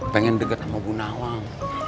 pengen deket sama bu nawang